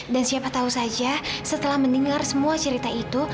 dan siapa tahu saja setelah mendengar semua cerita itu